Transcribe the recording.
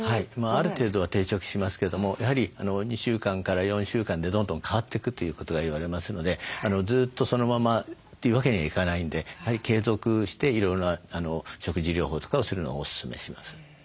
ある程度は定着しますけどもやはり２週間から４週間でどんどん変わっていくということが言われますのでずっとそのままというわけにはいかないんでやはり継続していろいろな食事療法とかをするのをおすすめします。